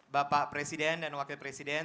bapak presiden dan wakil presiden